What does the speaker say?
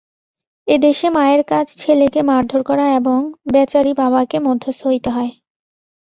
এদেশে মায়ের কাজ ছেলেকে মারধোর করা, এবং বেচারী বাবাকে মধ্যস্থ হইতে হয়।